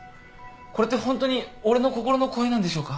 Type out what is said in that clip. これってホントに俺の心の声なんでしょうか。